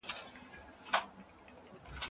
خدایه اوس به چاته ورسو له هرچا څخه لار ورکه